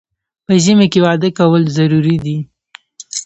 په ژمي کې واده کول ضروري دي